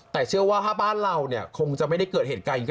แต่เชื่อว่าถ้าบ้านเราคงจะไม่ได้เกิดเหตุการณ์อย่างนี้